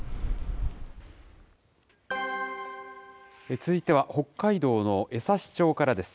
続いては、北海道の江差町からです。